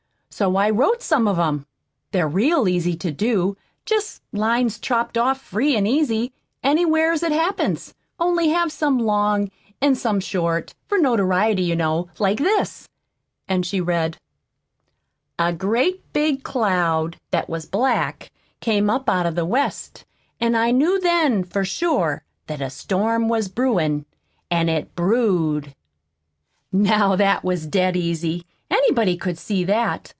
So I've wrote some of 'em. They're real easy to do jest lines chopped off free an' easy, anywheres that it happens, only have some long, an' some short, for notoriety, you know, like this." And she read: "A great big cloud That was black Came up Out of the West. An' I knew Then For sure That a storm was brewin'. An' it brewed." "Now that was dead easy anybody could see that.